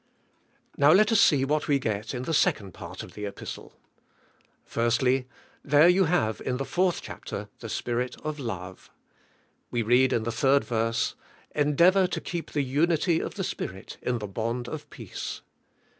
Now, let us see what we g et in the second part of the Kpistle, 66 THE SPIRITUAL LIFE. 1. There you have, in the fourth chapter, the Spirit of love. We read in the third verse, "En deavor to keep the unity of the Spirit in the bond of peace."